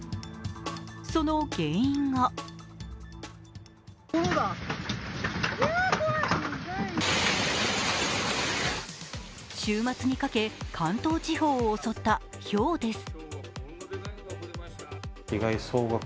その原因が週末にかけ関東地方を襲ったひょうです。